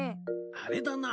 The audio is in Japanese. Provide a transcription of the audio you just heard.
あれだな。